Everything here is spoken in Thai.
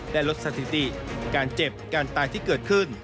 และลดสถิติการเจ็บการตายที่เกิดขึ้น